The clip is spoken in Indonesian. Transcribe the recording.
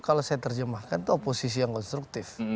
kalau saya terjemahkan itu oposisi yang konstruktif